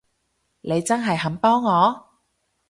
你真係肯幫我？